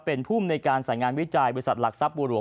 เป็นภูมิในการสายงานวิจัยบริษัทหลักทรัพย์บัวหลวง